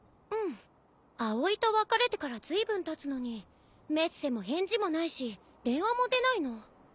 アオイと別れてからずいぶんたつのにメッセも返事もないし電話も出ないの。